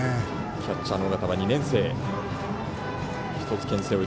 キャッチャーの尾形は２年生。